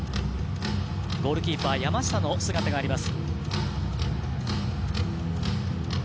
ゴールキーパー山下の姿があります。